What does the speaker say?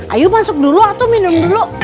ayo masuk dulu atau minum dulu